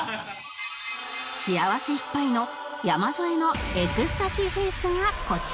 幸せいっぱいの山添のエクスタシーフェイスがこちら